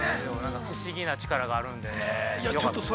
◆不思議な力があるんでねよかったです。